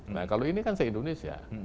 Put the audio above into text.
nah kalau ini kan se indonesia